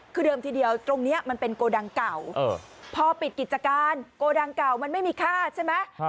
คือเดิมทีเดียวตรงนี้มันเป็นโกดังเก่าพอปิดกิจการโกดังเก่ามันไม่มีค่าใช่ไหม